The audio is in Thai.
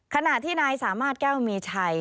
ขณะที่นายสามารถแก้วมีชัย